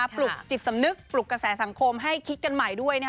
ปลุกจิตสำนึกปลุกกระแสสังคมให้คิดกันใหม่ด้วย